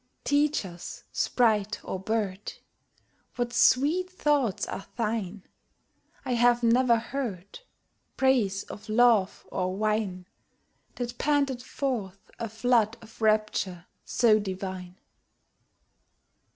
Teach us, sprite or bird, What sweet thoughts are thine: I have never heard Praise of love or wine That panted forth a flood of rapture so divine.